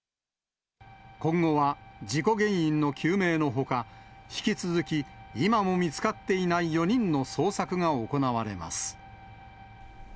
今後は事故原因の究明のほか、引き続き、今も見つかっていない４人の捜索が行われます。